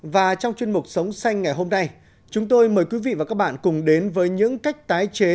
và trong chuyên mục sống xanh ngày hôm nay chúng tôi mời quý vị và các bạn cùng đến với những cách tái chế